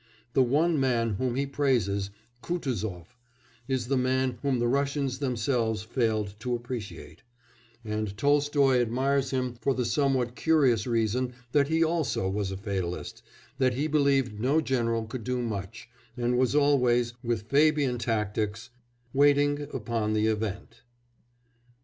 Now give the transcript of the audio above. The one man whom he praises Kutuzof is the man whom the Russians themselves failed to appreciate, and Tolstoy admires him for the somewhat curious reason that he also was a fatalist, that he believed no general could do much, and was always, with Fabian tactics, waiting upon the event.